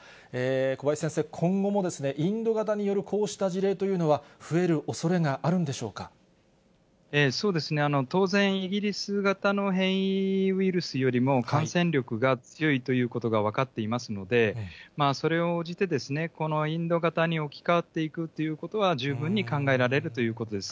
小林先生、今後もインド型によるこうした事例というのは、そうですね、当然、イギリス型の変異ウイルスよりも感染力が強いということが分かっていますので、それに応じて、このインド型に置き換わっていくということは十分に考えられるということです。